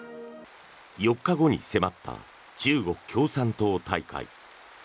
４日後に迫った中国共産党大会。